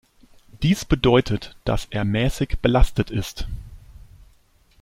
Dies bedeutet, dass er mäßig belastet ist.